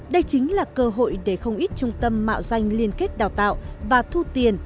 đây chính là cơ hội để không ít trung tâm mạo danh liên kết đào tạo và thu tiền